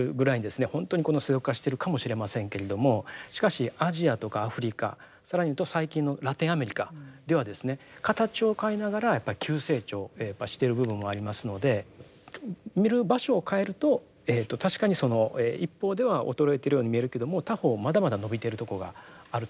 本当にこの世俗化しているかもしれませんけれどもしかしアジアとかアフリカ更に言うと最近のラテンアメリカではですね形を変えながらやっぱり急成長をしている部分もありますので見る場所を変えると確かにその一方では衰えてるように見えるけれども他方まだまだ伸びてるところがあると。